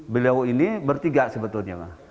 beliau ini bertiga sebetulnya